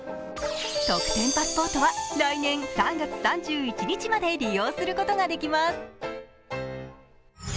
特典パスポートは来年３月３１日まで利用することができます。